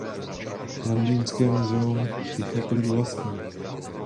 Londýnské muzeum jich několik vlastní.